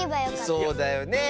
そうだよねえ。